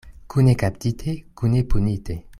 Kune kaptite, kune punite.